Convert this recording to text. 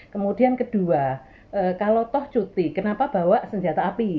kemudian kedua kalau toh cuti kenapa bawa senjata api